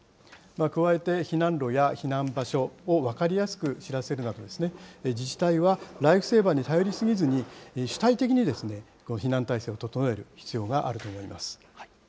加えて、避難路や避難場所を分かりやすく知らせるなど、自治体はライフセーバーに頼り過ぎずに、主体的に避難態勢を整える必要があると思います。